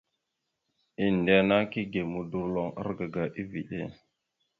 Endena kige modorloŋ argaga eveɗe.